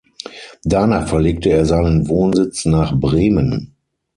Danach verlegte er seinen Wohnsitz nach Bremen.